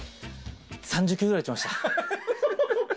３０球くらい打ちました。